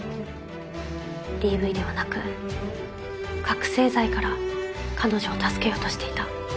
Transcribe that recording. ＤＶではなく覚せい剤から彼女を助けようとしていた。